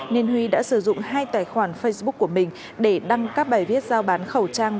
nên huy đã sử dụng hai tài khoản facebook của mình để đăng các bài viết giao bán khẩu trang